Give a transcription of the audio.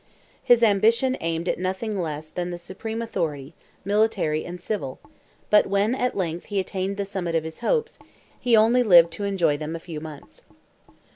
His ambition aimed at nothing less than the supreme authority, military and civil; but when at length he attained the summit of his hopes, he only lived to enjoy them a few months.